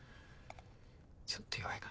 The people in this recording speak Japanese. ちょっと弱いか。